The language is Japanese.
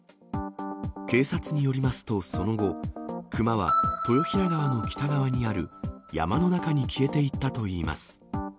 警察によりますと、その後、クマは豊平川の北側にある山の中に消えていったといいます。